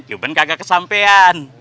cuman kagak kesampean